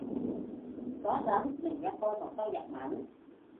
個陣另一科就修日文